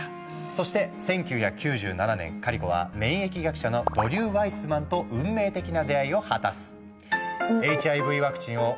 そして１９９７年カリコは免疫学者のドリュー・ワイスマンと運命的な出会いを果たす。